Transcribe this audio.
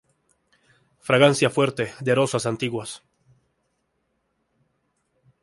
Fragancia fuerte, de rosas antiguas.